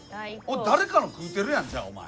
誰かの食うてるやんじゃあお前。